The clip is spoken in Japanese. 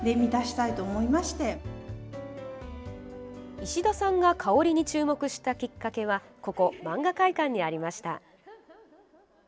石田さんが香りに注目したきっかけはここ、漫画会館にありました。